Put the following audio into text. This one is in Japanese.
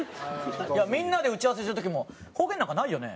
みんなで打ち合わせしてる時も「方言なんかないよね」